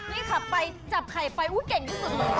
นี่ค่ะไปจับไข่ไปเก่งที่สุด